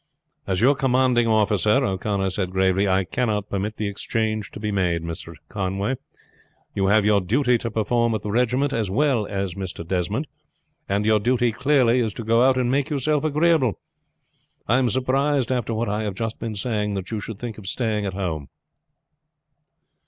"As your commanding officer," O'Connor said gravely, "I cannot permit the exchange to be made, Mr. Conway. You have your duty to perform to the regiment as well as Mr. Desmond, and your duty clearly is to go out and make yourself agreeable. I am surprised after what I have just been saying that you should think of staying at home."